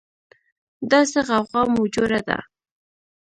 دا څه غوغا مو جوړه ده